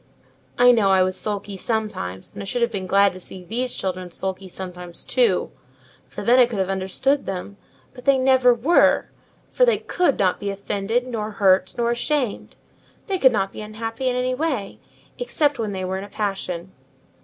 "I know I was sulky sometimes, and I should have been glad to see these children sulky sometimes too; for then I could have understood them: but they never were, for they could not be offended, nor hurt, nor ashamed: they could not be unhappy in any way, except when they were in a passion."